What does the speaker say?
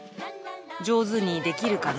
上手にできるかな？